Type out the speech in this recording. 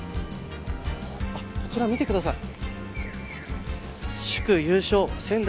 こちら見てください。